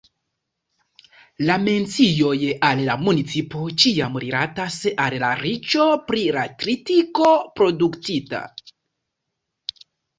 La mencioj al la municipo ĉiam rilatas al la riĉo pri la tritiko produktita.